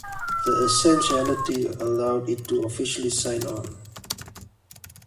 This essentially allowed it to officially sign-on.